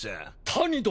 谷殿！